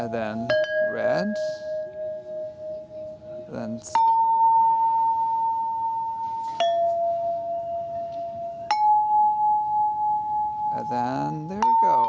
terima kasih banyak